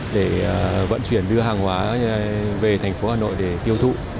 để vận chuyển đưa hàng hóa về thành phố hà nội để tiêu thụ